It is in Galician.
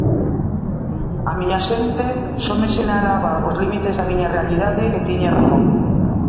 A miña axente só me sinalaba os límites da miña realidade, e tiña razón.